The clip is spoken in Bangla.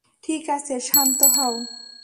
ঠিক আছে, শান্ত হও।